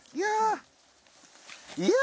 いや！